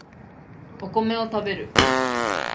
お米を食べる